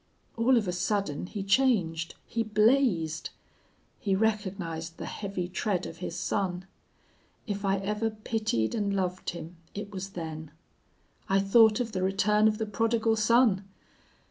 All of a sudden he changed. He blazed. He recognized the heavy tread of his son. If I ever pitied and loved him it was then. I thought of the return of the Prodigal Son!...